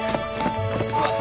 うわっ！